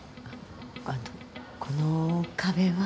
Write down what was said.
あの後この壁は？